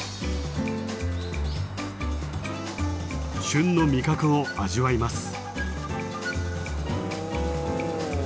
旬の味覚を味わいます。